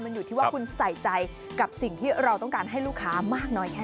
มันอยู่ที่ว่าคุณใส่ใจกับสิ่งที่เราต้องการให้ลูกค้ามากน้อยแค่ไหน